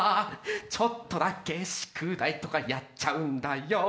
ちょっとだけ宿題とかやっちゃうんだよ